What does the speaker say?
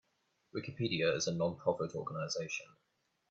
Wikipedia is a non-profit organization.